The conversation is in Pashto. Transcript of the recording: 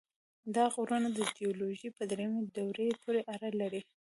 دا غرونه د جیولوژۍ په دریمې دورې پورې اړه لري.